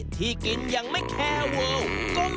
ที่กินอย่างไม่แควอล